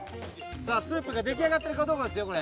さあスープが出来上がってるかどうかですよ。